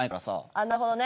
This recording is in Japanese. あっなるほどね。